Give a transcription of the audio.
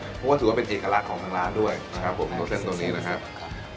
เพราะว่าถือว่าเป็นเอกลักษณ์ของทางร้านด้วยนะครับผมตัวเส้นตัวนี้นะครับ